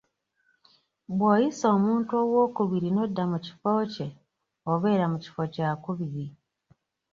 Bw'oyisa omuntu owookubiri n'odda mu kifo kye, obeera mu kifo kyakubiri.